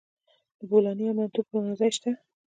د بولاني او منتو پلورنځي شته